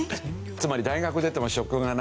つまり大学出ても職がない。